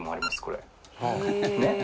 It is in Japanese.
これ。